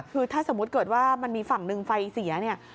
คือถ้าสมมุติเกิดว่ามันมีฝั่งหนึ่งไฟเสียเนี่ย